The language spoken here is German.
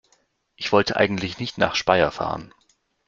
Ich wollte eigentlich nicht nach Speyer fahren